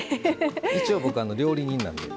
一応僕料理人なんで。